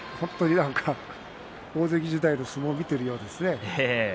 大関時代の相撲を見ているようです。